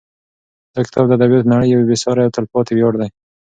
دا کتاب د ادبیاتو د نړۍ یو بې سارې او تلپاتې ویاړ دی.